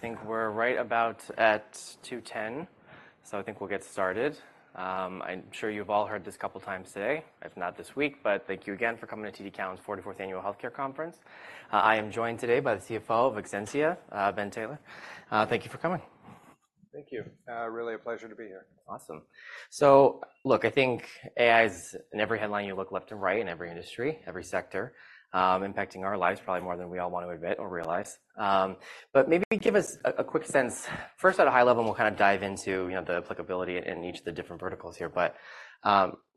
I think we're right about at 2:10, so I think we'll get started. I'm sure you've all heard this a couple times today, if not this week, but thank you again for coming to TD Cowen's 44th Annual Healthcare Conference. I am joined today by the CFO of Exscientia, Ben Taylor. Thank you for coming. Thank you. Really a pleasure to be here. Awesome. So look, I think AI is in every headline, you look left and right, in every industry, every sector, impacting our lives probably more than we all want to admit or realize. But maybe give us a quick sense, first at a high level, and we'll kind of dive into, you know, the applicability in each of the different verticals here. But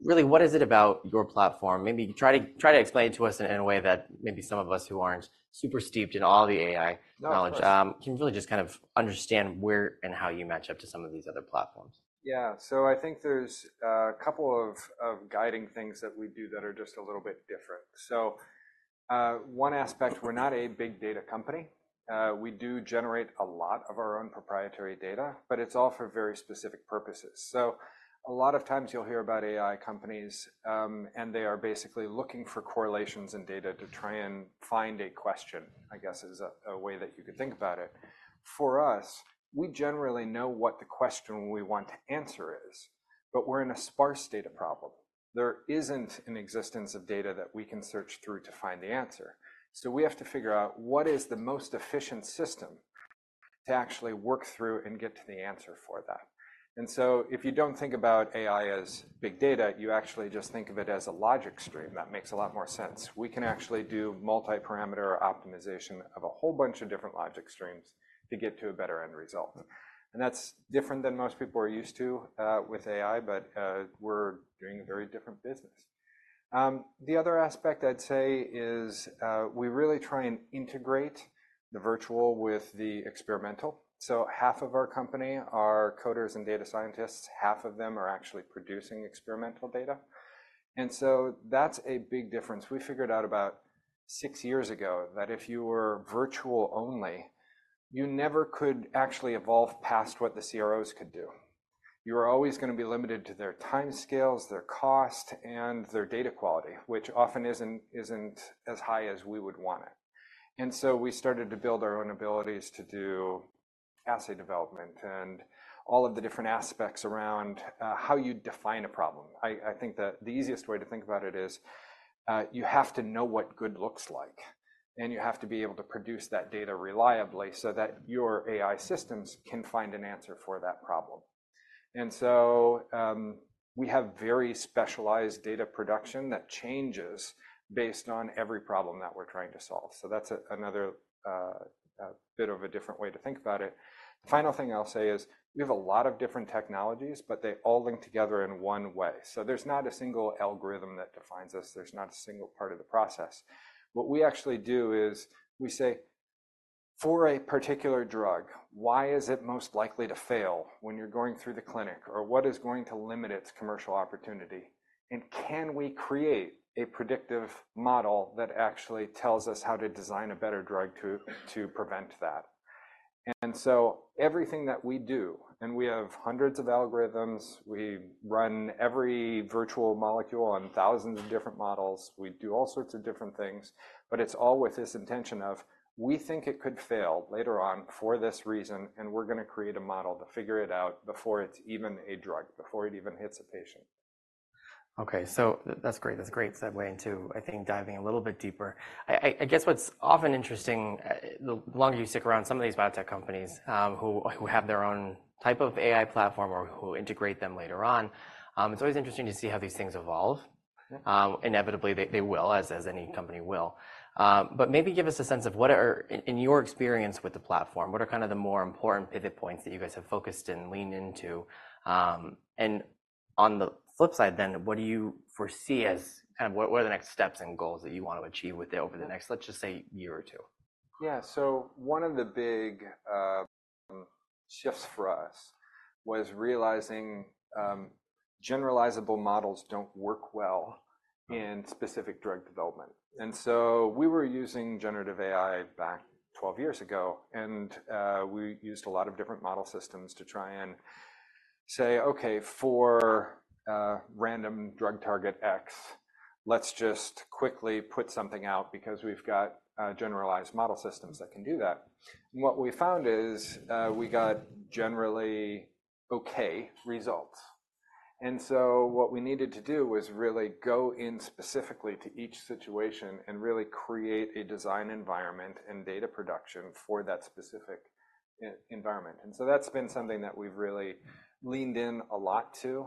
really, what is it about your platform? Maybe try to explain it to us in a way that maybe some of us who aren't super steeped in all the AI- No, of course. knowledge can really just kind of understand where and how you match up to some of these other platforms. Yeah. So I think there's a couple of guiding things that we do that are just a little bit different. So, one aspect, we're not a big data company. We do generate a lot of our own proprietary data, but it's all for very specific purposes. So a lot of times you'll hear about AI companies, and they are basically looking for correlations in data to try and find a question, I guess, is a way that you could think about it. For us, we generally know what the question we want to answer is, but we're in a sparse data problem. There isn't an existence of data that we can search through to find the answer. So we have to figure out what is the most efficient system to actually work through and get to the answer for that. And so if you don't think about AI as big data, you actually just think of it as a logic stream. That makes a lot more sense. We can actually do multiparameter optimization of a whole bunch of different logic streams to get to a better end result. And that's different than most people are used to with AI, but we're doing a very different business. The other aspect I'd say is we really try and integrate the virtual with the experimental. So half of our company are coders and data scientists, half of them are actually producing experimental data. And so that's a big difference. We figured out about six years ago that if you were virtual only, you never could actually evolve past what the CROs could do. You are always gonna be limited to their timescales, their cost, and their data quality, which often isn't as high as we would want it. And so we started to build our own abilities to do assay development and all of the different aspects around how you define a problem. I think that the easiest way to think about it is you have to know what good looks like, and you have to be able to produce that data reliably so that your AI systems can find an answer for that problem. And so we have very specialized data production that changes based on every problem that we're trying to solve. So that's another bit of a different way to think about it. The final thing I'll say is, we have a lot of different technologies, but they all link together in one way. So there's not a single algorithm that defines us. There's not a single part of the process. What we actually do is we say, "For a particular drug, why is it most likely to fail when you're going through the clinic? Or what is going to limit its commercial opportunity? And can we create a predictive model that actually tells us how to design a better drug to prevent that?" And so everything that we do, and we have hundreds of algorithms, we run every virtual molecule on thousands of different models. We do all sorts of different things, but it's all with this intention of: we think it could fail later on for this reason, and we're gonna create a model to figure it out before it's even a drug, before it even hits a patient. Okay, so that's great. That's a great segue into, I think, diving a little bit deeper. I guess what's often interesting, the longer you stick around some of these biotech companies, who have their own type of AI platform or who integrate them later on, it's always interesting to see how these things evolve. Mm-hmm. Inevitably, they will, as any company will. But maybe give us a sense of what are in your experience with the platform, what are kind of the more important pivot points that you guys have focused and leaned into? And on the flip side then, what do you foresee as kind of what are the next steps and goals that you want to achieve with it over the next, let's just say, year or two? Yeah, so one of the big shifts for us was realizing generalizable models don't work well- Mm-hmm. In specific drug development. And so we were using generative AI back 12 years ago, and we used a lot of different model systems to try and say: "Okay, for a random drug target X, let's just quickly put something out because we've got generalized model systems that can do that." And what we found is, we got generally okay results. And so what we needed to do was really go in specifically to each situation and really create a design environment and data production for that specific environment. And so that's been something that we've really leaned in a lot to.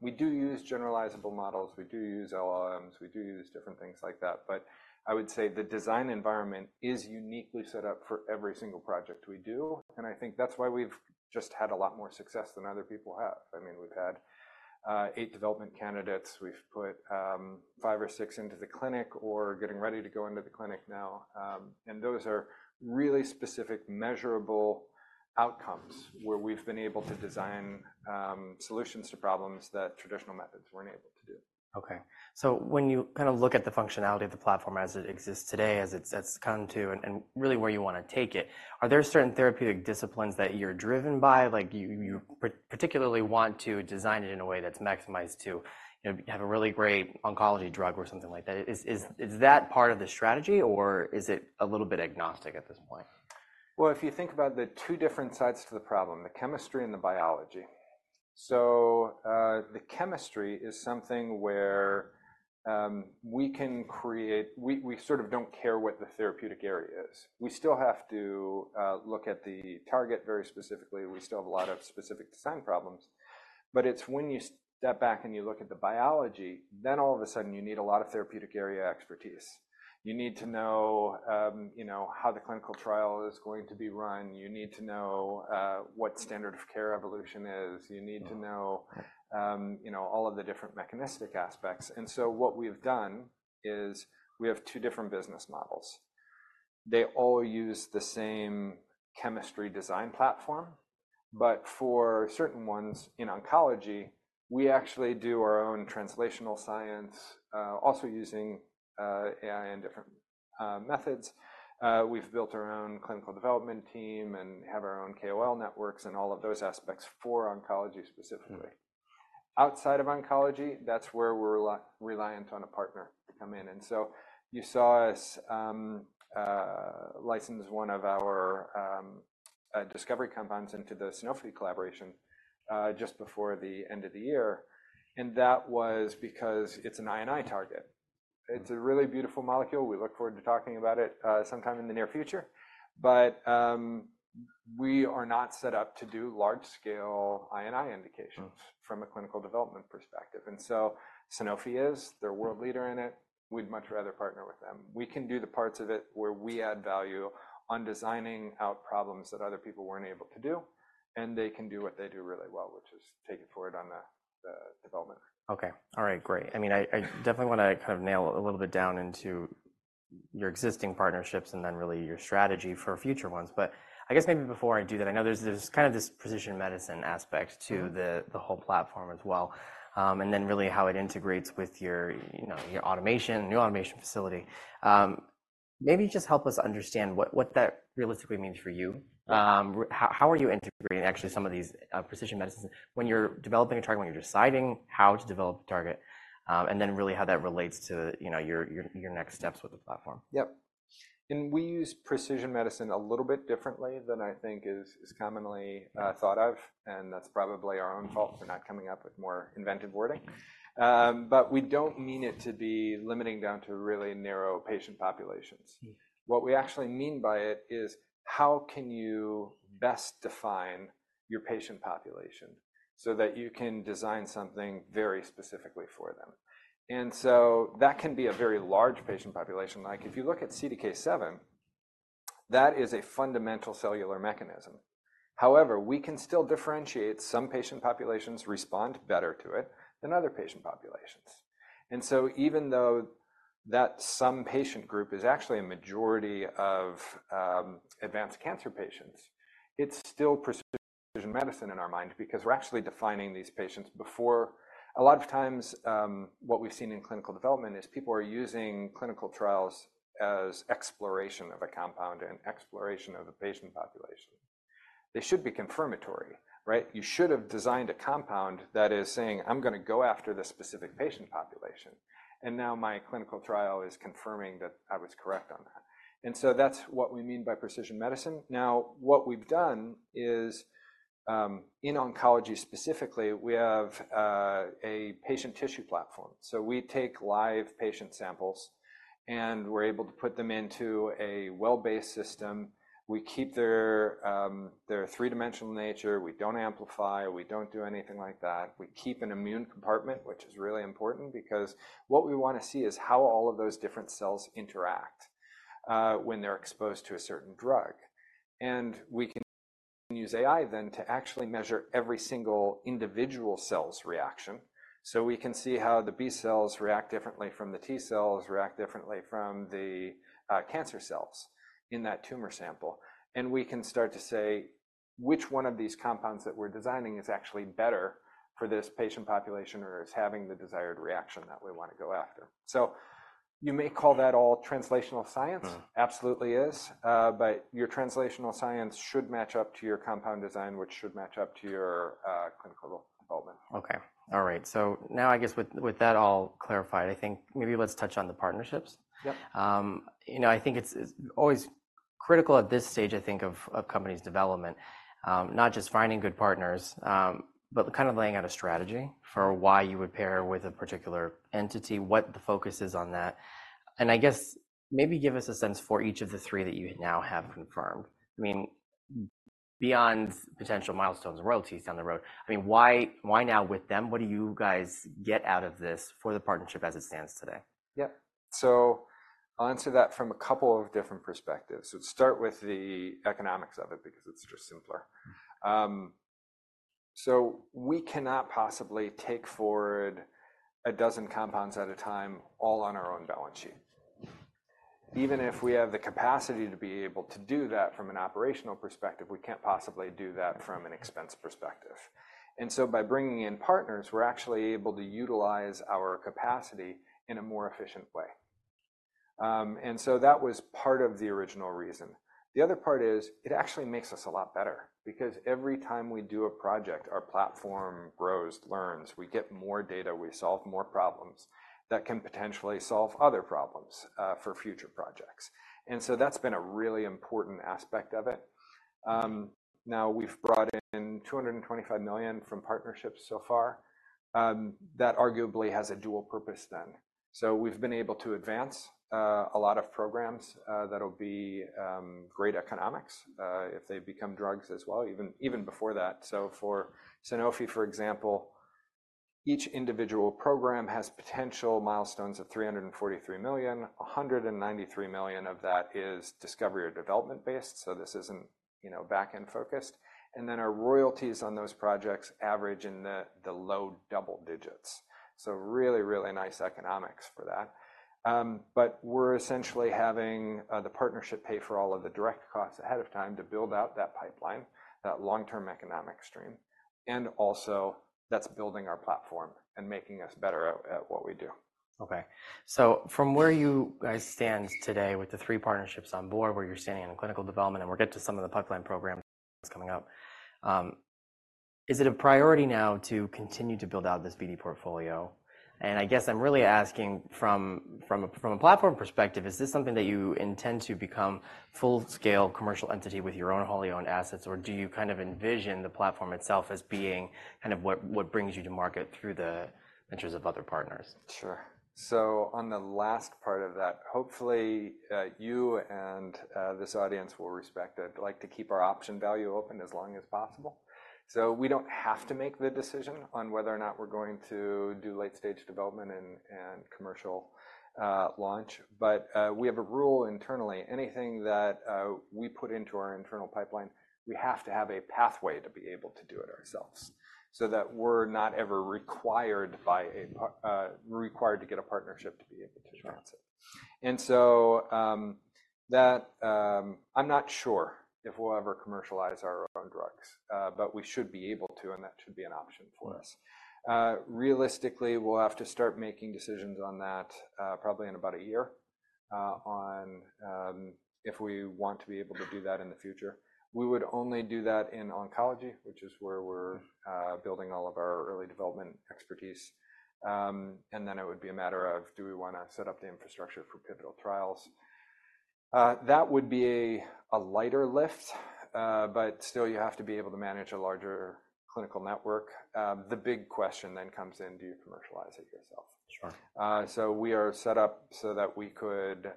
We do use generalizable models, we do use LLMs, we do use different things like that. But I would say the design environment is uniquely set up for every single project we do, and I think that's why we've just had a lot more success than other people have. I mean, we've had eight development candidates. We've put five or six into the clinic or getting ready to go into the clinic now. And those are really specific, measurable outcomes where we've been able to design solutions to problems that traditional methods weren't able to do. Okay. So when you kind of look at the functionality of the platform as it exists today, as it's come to, and really where you wanna take it, are there certain therapeutic disciplines that you're driven by? Like, you particularly want to design it in a way that's maximized to, you know, have a really great oncology drug or something like that. Is that part of the strategy, or is it a little bit agnostic at this point? Well, if you think about the two different sides to the problem, the chemistry and the biology. So, the chemistry is something where we sort of don't care what the therapeutic area is. We still have to look at the target very specifically. We still have a lot of specific design problems, but it's when you step back and you look at the biology, then all of a sudden you need a lot of therapeutic area expertise. You need to know, you know, how the clinical trial is going to be run. You need to know what standard of care evolution is. Mm-hmm. You need to know, you know, all of the different mechanistic aspects. And so what we've done is we have two different business models. They all use the same chemistry design platform, but for certain ones in oncology, we actually do our own translational science, also using AI and different methods. We've built our own clinical development team and have our own KOL networks and all of those aspects for oncology specifically. Mm-hmm. Outside of oncology, that's where we're reliant on a partner to come in, and so you saw us license one of our discovery compounds into the Sanofi collaboration, just before the end of the year, and that was because it's an I&I target. Mm-hmm. It's a really beautiful molecule. We look forward to talking about it, sometime in the near future. But, we are not set up to do large-scale I&I indications Mm... from a clinical development perspective. And so Sanofi is, they're a world leader in it. We'd much rather partner with them. We can do the parts of it where we add value on designing out problems that other people weren't able to do, and they can do what they do really well, which is take it forward on the development. Okay. All right, great. I mean, I definitely want to kind of nail a little bit down into your existing partnerships and then really your strategy for future ones. But I guess maybe before I do that, I know there's kind of this precision medicine aspect to the- Mm... the whole platform as well, and then really how it integrates with your, you know, your automation, new automation facility. Maybe just help us understand what that realistically means for you. Yeah. How are you integrating actually some of these precision medicines when you're developing a target, when you're deciding how to develop a target, and then really how that relates to, you know, your next steps with the platform? Yep. And we use precision medicine a little bit differently than I think is commonly, Mm... thought of, and that's probably our own fault for not coming up with more inventive wording. We don't mean it to be limiting down to really narrow patient populations. Mm. What we actually mean by it is, how can you best define your patient population so that you can design something very specifically for them? And so that can be a very large patient population. Like, if you look at CDK7, that is a fundamental cellular mechanism. However, we can still differentiate some patient populations respond better to it than other patient populations. And so even though that some patient group is actually a majority of, advanced cancer patients, it's still precision medicine in our mind because we're actually defining these patients. Before, a lot of times, what we've seen in clinical development is people are using clinical trials as exploration of a compound and exploration of a patient population. They should be confirmatory, right? You should have designed a compound that is saying, "I'm gonna go after this specific patient population, and now my clinical trial is confirming that I was correct on that." And so that's what we mean by precision medicine. Now, what we've done is, in oncology specifically, we have a patient tissue platform. So we take live patient samples, and we're able to put them into a well-based system. We keep their three-dimensional nature. We don't amplify. We don't do anything like that. We keep an immune compartment, which is really important because what we want to see is how all of those different cells interact when they're exposed to a certain drug. And we can use AI then to actually measure every single individual cell's reaction. So we can see how the B cells react differently from the T cells, react differently from the cancer cells in that tumor sample. We can start to say which one of these compounds that we're designing is actually better for this patient population or is having the desired reaction that we want to go after. You may call that all translational science. Mm. Absolutely is. But your translational science should match up to your compound design, which should match up to your clinical development. Okay. All right. So now I guess with that all clarified, I think maybe let's touch on the partnerships. Yep. You know, I think it's, it's always critical at this stage to think of a company's development, not just finding good partners, but kind of laying out a strategy for why you would pair with a particular entity, what the focus is on that. And I guess maybe give us a sense for each of the three that you now have confirmed. I mean, beyond potential milestones and royalties down the road, I mean, why, why now with them? What do you guys get out of this for the partnership as it stands today? Yep. So I'll answer that from a couple of different perspectives. Let's start with the economics of it, because it's just simpler. We cannot possibly take forward a dozen compounds at a time, all on our own balance sheet. Mm. Even if we have the capacity to be able to do that from an operational perspective, we can't possibly do that from an expense perspective. And so by bringing in partners, we're actually able to utilize our capacity in a more efficient way. And so that was part of the original reason. The other part is, it actually makes us a lot better, because every time we do a project, our platform grows, learns, we get more data, we solve more problems that can potentially solve other problems, for future projects. And so that's been a really important aspect of it. Now, we've brought in $225 million from partnerships so far. That arguably has a dual purpose then. So we've been able to advance a lot of programs that'll be great economics if they become drugs as well, even before that. So for Sanofi, for example, each individual program has potential milestones of $343 million. $193 million of that is discovery or development based, so this isn't, you know, back-end focused. And then our royalties on those projects average in the low double digits. So really, really nice economics for that. But we're essentially having the partnership pay for all of the direct costs ahead of time to build out that pipeline, that long-term economic stream, and also that's building our platform and making us better at what we do. Okay. So from where you guys stand today with the three partnerships on board, where you're standing in clinical development, and we'll get to some of the pipeline programs coming up. Is it a priority now to continue to build out this BD portfolio? And I guess I'm really asking from, from a, from a platform perspective, is this something that you intend to become full-scale commercial entity with your own wholly owned assets, or do you kind of envision the platform itself as being kind of what, what brings you to market through the ventures of other partners? Sure. So on the last part of that, hopefully, you and this audience will respect that I'd like to keep our option value open as long as possible. So we don't have to make the decision on whether or not we're going to do late-stage development and commercial launch. But we have a rule internally, anything that we put into our internal pipeline, we have to have a pathway to be able to do it ourselves, so that we're not ever required by a part-- required to get a partnership to be able to advance it. Sure. So, I'm not sure if we'll ever commercialize our own drugs, but we should be able to, and that should be an option for us. Mm-hmm. Realistically, we'll have to start making decisions on that, probably in about a year, if we want to be able to do that in the future. We would only do that in oncology, which is where we're building all of our early development expertise. And then it would be a matter of, do we wanna set up the infrastructure for pivotal trials? That would be a lighter lift, but still you have to be able to manage a larger clinical network. The big question then comes in: Do you commercialize it yourself? Sure. So we are set up so that we could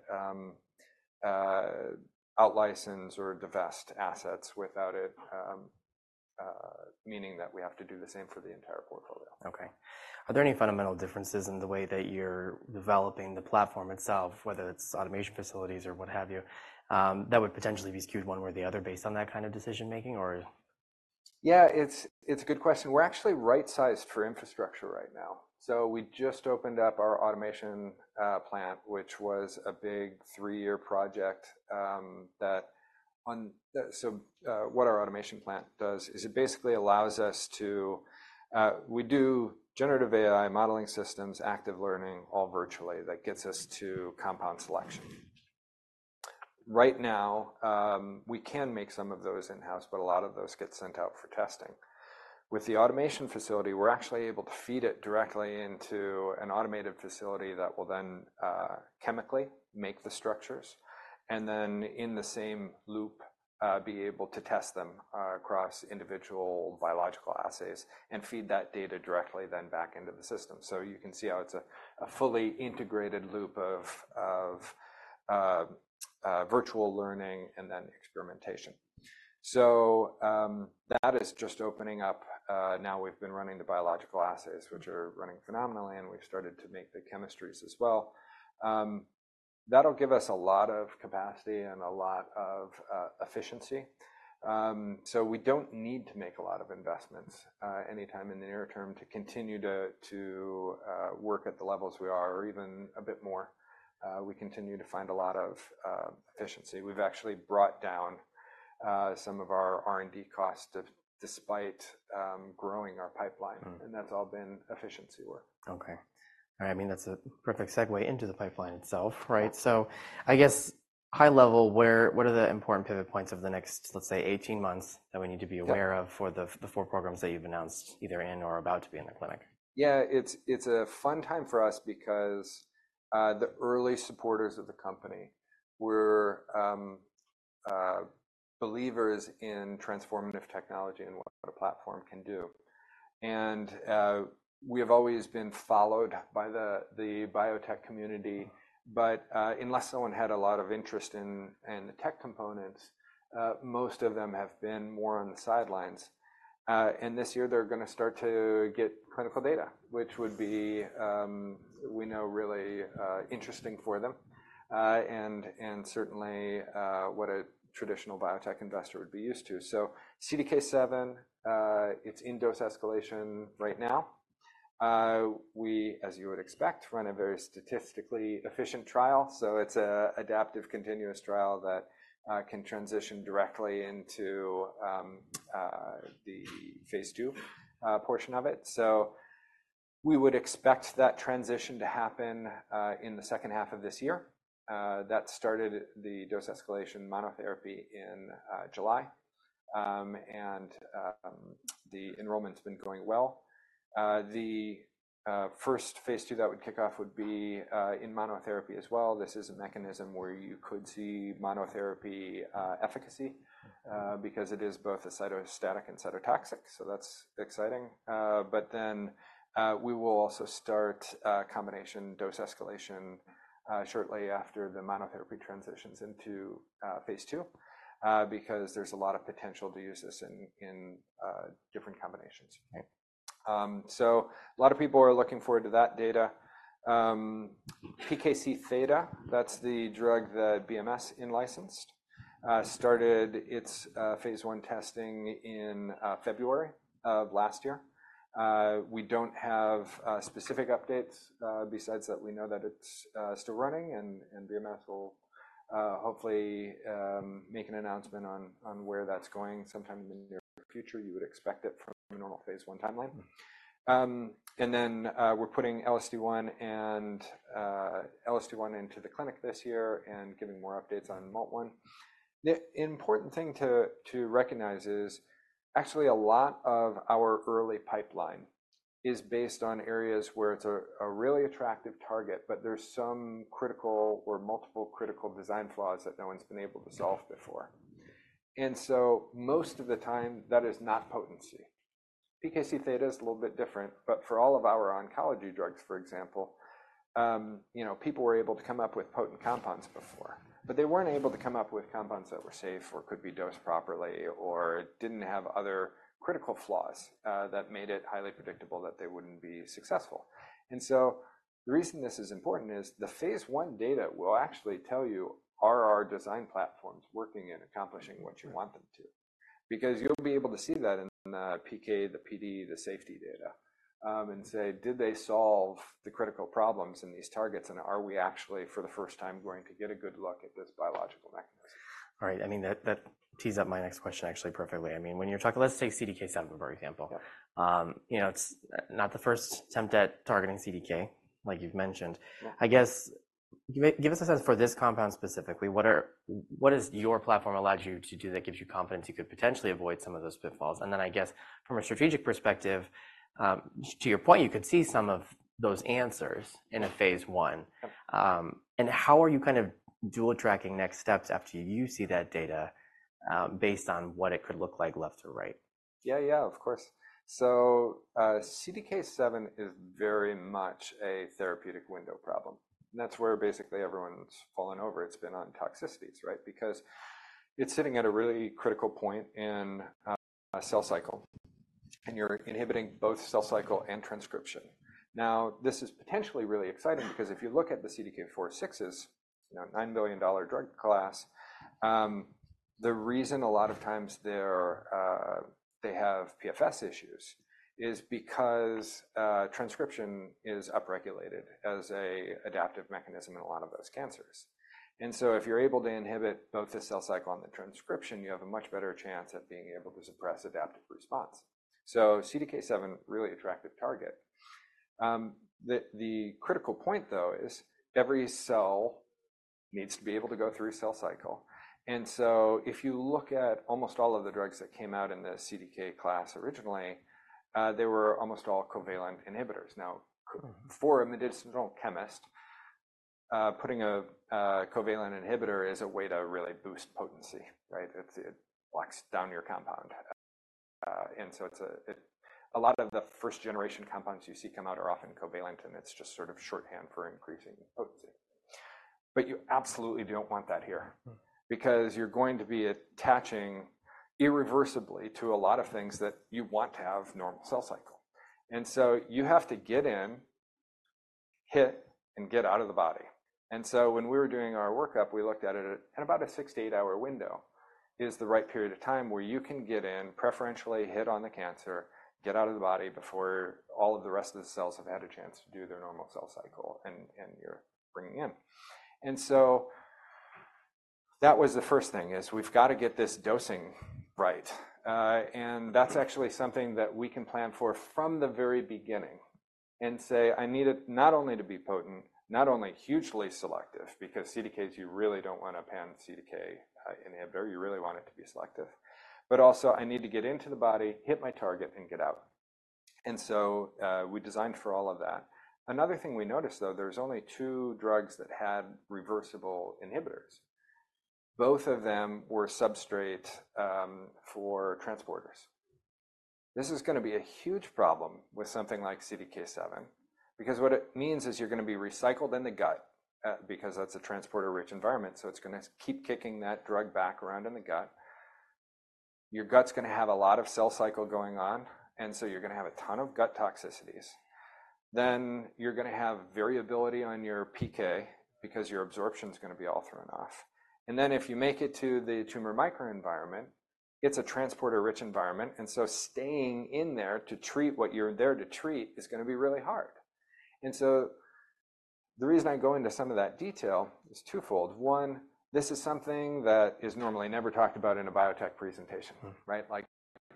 outlicense or divest assets without it meaning that we have to do the same for the entire portfolio. Okay. Are there any fundamental differences in the way that you're developing the platform itself, whether it's automation facilities or what have you, that would potentially be skewed one way or the other based on that kind of decision making or? Yeah, it's, it's a good question. We're actually right-sized for infrastructure right now. So we just opened up our automation plant, which was a big 3-year project. So, what our automation plant does is it basically allows us to, we do generative AI, modeling systems, active learning, all virtually, that gets us to compound selection. Right now, we can make some of those in-house, but a lot of those get sent out for testing. With the automation facility, we're actually able to feed it directly into an automated facility that will then chemically make the structures, and then in the same loop, be able to test them across individual biological assays, and feed that data directly then back into the system. So you can see how it's a fully integrated loop of virtual learning and then experimentation. So, that is just opening up. Now we've been running the biological assays, which are running phenomenally, and we've started to make the chemistries as well. That'll give us a lot of capacity and a lot of efficiency. So we don't need to make a lot of investments anytime in the near term to continue to work at the levels we are or even a bit more. We continue to find a lot of efficiency. We've actually brought down some of our R&D costs despite growing our pipeline- Mm. And that's all been efficiency work. Okay. I mean, that's a perfect segue into the pipeline itself, right? Yeah. I guess, high level, what are the important pivot points of the next, let's say, 18 months, that we need to be aware of? Yeah... for the four programs that you've announced, either in or about to be in the clinic? Yeah, it's a fun time for us because the early supporters of the company were believers in transformative technology and what a platform can do. And we have always been followed by the biotech community, but unless someone had a lot of interest in the tech components, most of them have been more on the sidelines. And this year they're gonna start to get clinical data, which would be, we know, really interesting for them, and certainly what a traditional biotech investor would be used to. So CDK7, it's in dose escalation right now. We, as you would expect, run a very statistically efficient trial, so it's a adaptive, continuous trial that can transition directly into the phase II portion of it. So, we would expect that transition to happen in the second half of this year. That started the dose escalation monotherapy in July. And the enrollment's been going well. The first phase II that would kick off would be in monotherapy as well. This is a mechanism where you could see monotherapy efficacy because it is both a cytostatic and cytotoxic, so that's exciting. But then we will also start a combination dose escalation shortly after the monotherapy transitions into phase II because there's a lot of potential to use this in different combinations. So a lot of people are looking forward to that data. PKC-theta, that's the drug that BMS in-licensed, started its phase I testing in February of last year. We don't have specific updates besides that we know that it's still running, and BMS will hopefully make an announcement on where that's going sometime in the near future. You would expect it from a normal phase I timeline. And then, we're putting LSD-1 and LSD-1 into the clinic this year and giving more updates on MALT1. The important thing to recognize is actually a lot of our early pipeline is based on areas where it's a really attractive target, but there's some critical or multiple critical design flaws that no one's been able to solve before. And so most of the time, that is not potency. PKC-theta is a little bit different, but for all of our oncology drugs, for example, you know, people were able to come up with potent compounds before, but they weren't able to come up with compounds that were safe or could be dosed properly or didn't have other critical flaws that made it highly predictable that they wouldn't be successful. And so the reason this is important is the phase I data will actually tell you, are our design platforms working and accomplishing what you want them to? Because you'll be able to see that in the PK, the PD, the safety data, and say: Did they solve the critical problems in these targets, and are we actually, for the first time, going to get a good look at this biological mechanism? All right. I mean, that tees up my next question, actually, perfectly. I mean, when you're talking, let's take CDK7, for example. Yeah. You know, it's not the first attempt at targeting CDK, like you've mentioned. Yeah. I guess, give us a sense for this compound specifically, what are, what has your platform allowed you to do that gives you confidence you could potentially avoid some of those pitfalls? And then, I guess, from a strategic perspective, to your point, you could see some of those answers in a phase I. Yep. How are you kind of dual tracking next steps after you see that data, based on what it could look like left to right? Yeah, yeah, of course. So, CDK7 is very much a therapeutic window problem, and that's where basically everyone's fallen over. It's been on toxicities, right? Because it's sitting at a really critical point in a cell cycle, and you're inhibiting both cell cycle and transcription. Now, this is potentially really exciting because if you look at the CDK4/6s, you know, $9 billion drug class, the reason a lot of times they're they have PFS issues is because transcription is upregulated as a adaptive mechanism in a lot of those cancers. And so if you're able to inhibit both the cell cycle and the transcription, you have a much better chance at being able to suppress adaptive response. So CDK7, really attractive target. The critical point, though, is every cell needs to be able to go through a cell cycle. And so if you look at almost all of the drugs that came out in the CDK class originally, they were almost all covalent inhibitors. Now, for a medicinal chemist, putting a covalent inhibitor is a way to really boost potency, right? It's, it locks down your compound. And so a lot of the first-generation compounds you see come out are often covalent, and it's just sort of shorthand for increasing potency. But you absolutely don't want that here- Mm. Because you're going to be attaching irreversibly to a lot of things that you want to have normal cell cycle. And so you have to get in, hit, and get out of the body. And so when we were doing our workup, we looked at it at about a 6 to 8-hour window is the right period of time where you can get in, preferentially hit on the cancer, get out of the body before all of the rest of the cells have had a chance to do their normal cell cycle, and you're bringing in. And so that was the first thing, is we've got to get this dosing right. And that's actually something that we can plan for from the very beginning and say: I need it not only to be potent, not only hugely selective, because CDKs, you really don't want a pan-CDK inhibitor, you really want it to be selective. But also, I need to get into the body, hit my target, and get out. And so, we designed for all of that. Another thing we noticed, though, there's only two drugs that had reversible inhibitors. Both of them were substrate for transporters. This is gonna be a huge problem with something like CDK7, because what it means is you're gonna be recycled in the gut, because that's a transporter-rich environment, so it's gonna keep kicking that drug back around in the gut. Your gut's gonna have a lot of cell cycle going on, and so you're gonna have a ton of gut toxicities. Then you're gonna have variability on your PK because your absorption is gonna be all thrown off. And then, if you make it to the tumor microenvironment, it's a transporter-rich environment, and so staying in there to treat what you're there to treat is gonna be really hard. So, the reason I go into some of that detail is twofold. One, this is something that is normally never talked about in a biotech presentation, right? Like,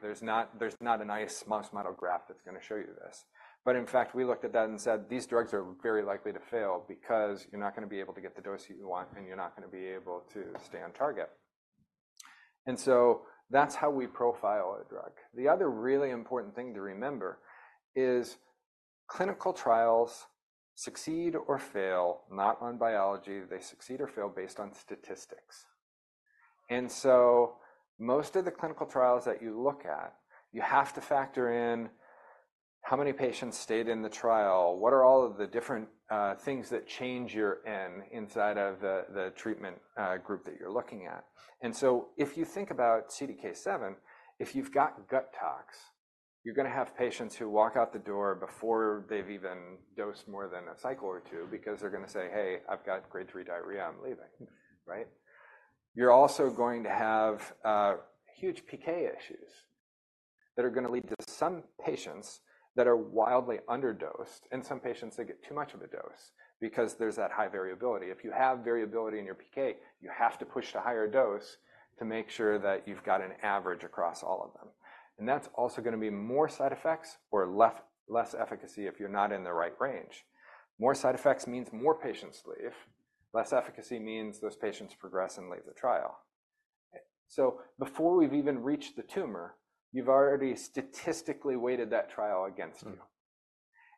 there's not a nice mouse model graph that's gonna show you this. But in fact, we looked at that and said, these drugs are very likely to fail because you're not gonna be able to get the dose that you want, and you're not gonna be able to stay on target. And so that's how we profile a drug. The other really important thing to remember is clinical trials succeed or fail, not on biology, they succeed or fail based on statistics. And so most of the clinical trials that you look at, you have to factor in how many patients stayed in the trial, what are all of the different things that change your N inside of the treatment group that you're looking at? And so if you think about CDK7, if you've got gut tox, you're gonna have patients who walk out the door before they've even dosed more than a cycle or two because they're gonna say, "Hey, I've got grade three diarrhea, I'm leaving," right? You're also going to have huge PK issues that are gonna lead to some patients that are wildly underdosed, and some patients that get too much of a dose because there's that high variability. If you have variability in your PK, you have to push to higher dose to make sure that you've got an average across all of them. And that's also gonna be more side effects or less efficacy if you're not in the right range. More side effects means more patients leave. Less efficacy means those patients progress and leave the trial. Before we've even reached the tumor, you've already statistically weighted that trial against you.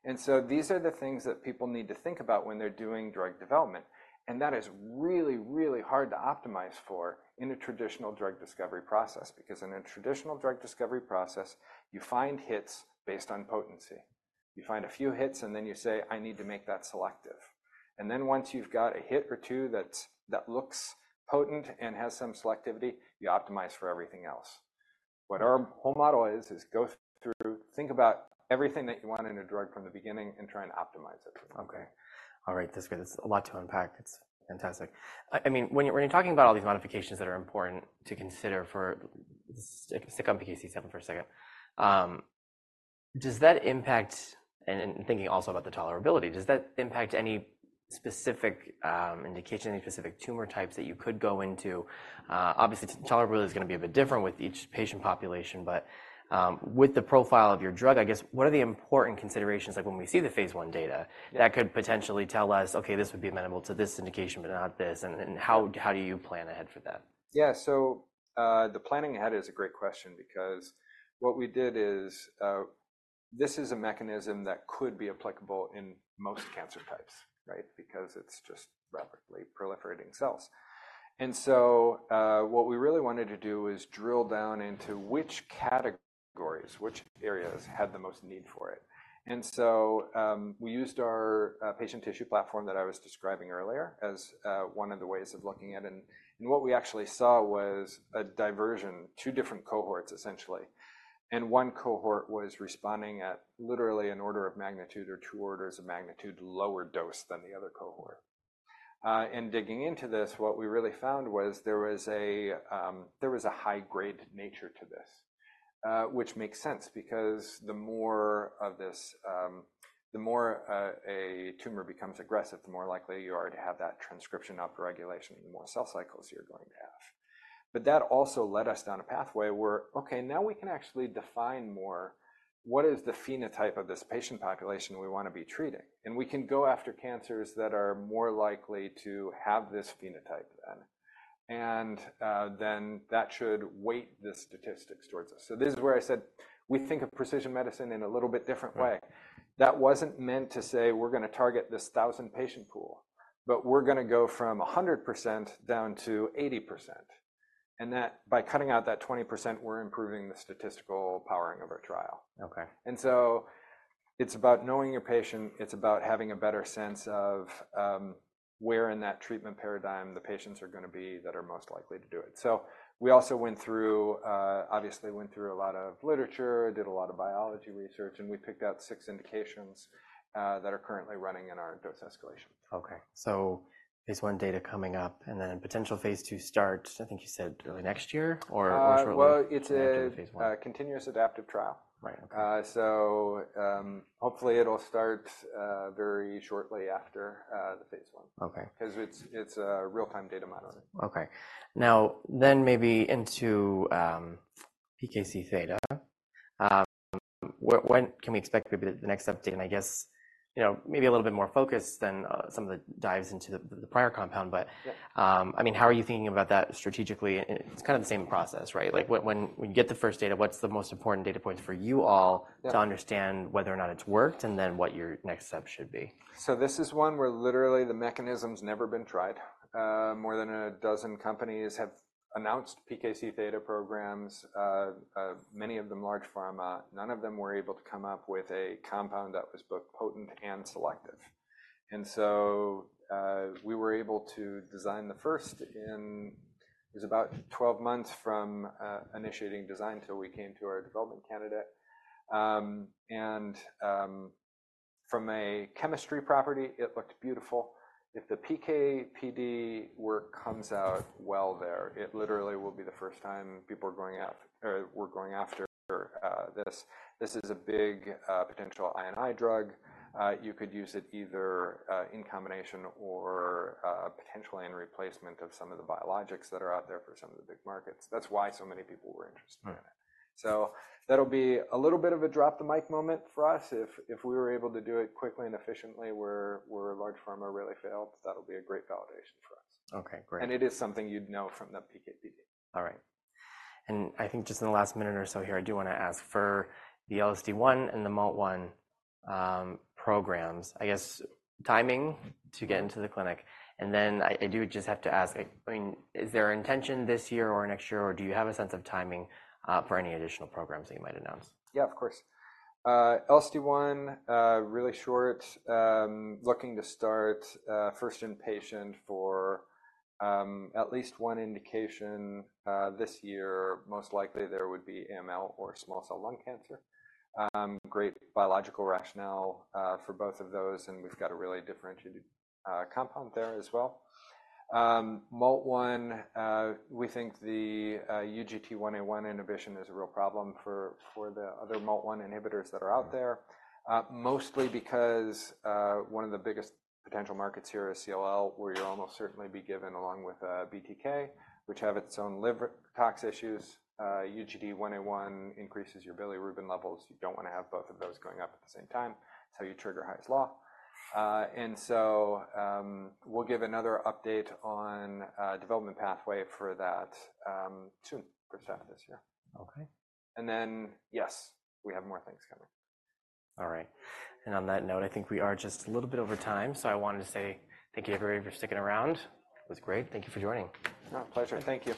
Mm. These are the things that people need to think about when they're doing drug development, and that is really, really hard to optimize for in a traditional drug discovery process, because in a traditional drug discovery process, you find hits based on potency. You find a few hits, and then you say, "I need to make that selective." And then once you've got a hit or two that looks potent and has some selectivity, you optimize for everything else. What our whole model is, is go through, think about everything that you want in a drug from the beginning and try and optimize it. Okay. All right, that's great. That's a lot to unpack. It's fantastic. I mean, when you're talking about all these modifications that are important to consider for STICKs on PKC for a second. Does that impact, and thinking also about the tolerability, does that impact any specific indication, any specific tumor types that you could go into? Obviously, tolerability is gonna be a bit different with each patient population, but with the profile of your drug, I guess, what are the important considerations, like when we see the phase I data, that could potentially tell us, "Okay, this would be amenable to this indication, but not this," and then how do you plan ahead for that? Yeah. So, the planning ahead is a great question because what we did is, this is a mechanism that could be applicable in most cancer types, right? Because it's just rapidly proliferating cells. And so, what we really wanted to do is drill down into which categories, which areas had the most need for it. And so, we used our, patient tissue platform that I was describing earlier as, one of the ways of looking at it, and what we actually saw was a divergence, two different cohorts, essentially. And one cohort was responding at literally an order of magnitude or two orders of magnitude lower dose than the other cohort. Digging into this, what we really found was there was a high-grade nature to this, which makes sense, because the more of this, the more a tumor becomes aggressive, the more likely you are to have that transcription upregulation and the more cell cycles you're going to have. But that also led us down a pathway where, okay, now we can actually define more what is the phenotype of this patient population we want to be treating? We can go after cancers that are more likely to have this phenotype then. Then that should weight the statistics towards us. This is where I said, we think of precision medicine in a little bit different way. Right. That wasn't meant to say, we're gonna target this 1,000-patient pool, but we're gonna go from 100% down to 80%, and that by cutting out that 20%, we're improving the statistical powering of our trial. Okay. So it's about knowing your patient. It's about having a better sense of where in that treatment paradigm the patients are gonna be that are most likely to do it. So we also, obviously went through a lot of literature, did a lot of biology research, and we picked out six indications that are currently running in our dose escalation. Okay. So phase I data coming up, and then potential phase II start. I think you said early next year, or shortly- Well, it's a- After phase I? a continuous adaptive trial. Right. Okay. Hopefully it'll start very shortly after the phase I. Okay. 'Cause it's a real-time data model. Okay. Now, then maybe into PKC-theta. When can we expect maybe the next update? And I guess, you know, maybe a little bit more focused than some of the dives into the prior compound, but- Yeah... I mean, how are you thinking about that strategically? And it's kind of the same process, right? Yeah. Like, when you get the first data, what's the most important data points for you all? Yeah... to understand whether or not it's worked, and then what your next step should be? So this is one where literally the mechanism's never been tried. More than a dozen companies have announced PKC-theta programs, many of them large pharma. None of them were able to come up with a compound that was both potent and selective. And so, we were able to design the first in, it was about 12 months from initiating design till we came to our development candidate. From a chemistry property, it looked beautiful. If the PK/PD work comes out well there, it literally will be the first time people are going out, or were going after this. This is a big potential I&I drug. You could use it either in combination or potentially in replacement of some of the biologics that are out there for some of the big markets. That's why so many people were interested in it. Mm. That'll be a little bit of a drop the mic moment for us if we were able to do it quickly and efficiently, where a large pharma really failed. That'll be a great validation for us. Okay, great. It is something you'd know from the PK/PD. All right. And I think just in the last minute or so here, I do want to ask for the LSD1 and the MALT1 programs, I guess timing to get into the clinic, and then I do just have to ask, I mean, is there an intention this year or next year, or do you have a sense of timing for any additional programs that you might announce? Yeah, of course. LSD1, really short, looking to start first in-patient for at least one indication this year. Most likely, there would be AML or small cell lung cancer. Great biological rationale for both of those, and we've got a really differentiated compound there as well. MALT1, we think the UGT1A1 inhibition is a real problem for the other MALT1 inhibitors that are out there, mostly because one of the biggest potential markets here is CLL, where you'll almost certainly be given along with BTK, which have its own liver tox issues. UGT1A1 increases your bilirubin levels. You don't want to have both of those going up at the same time. That's how you trigger Hy's Law. And so, we'll give another update on development pathway for that, too, for second this year. Okay. And then, yes, we have more things coming. All right. And on that note, I think we are just a little bit over time, so I wanted to say thank you, everybody, for sticking around. It was great. Thank you for joining. My pleasure. Thank you.